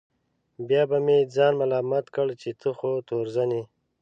بیا به مې ځان ملامت کړ چې ته خو تورزن یې.